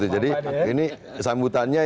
jadi ini sambutannya